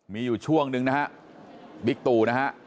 มีอยู่ช่วงหนึ่งบิกตู